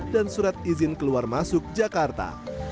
dan surat izin keluar masuk jakarta